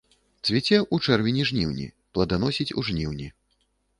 Цвіце ў чэрвені-жніўні, пладаносіць у жніўні.